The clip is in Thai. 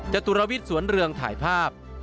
จตุรวิทย์สวนเรืองถ่ายภาพ